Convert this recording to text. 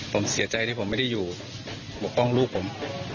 ผมเสียใจที่ผมไม่ได้อยู่ปกป้องลูกผม